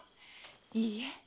いいえ。